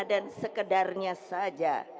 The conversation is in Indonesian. dan sekedarnya saja